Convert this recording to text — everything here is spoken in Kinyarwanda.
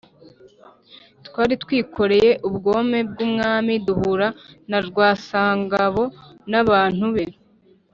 Twari twikoreye ubwome bw' umwami, duhura na Rwasangabo n' abantu be